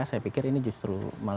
saya pikir ini justru